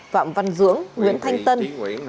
phạm văn dưỡng nguyễn thanh tân